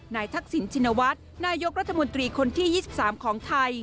ทักษิณชินวัฒน์นายกรัฐมนตรีคนที่๒๓ของไทย